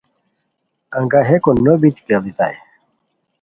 انگاہیکو نوبیتی کیڑیتائے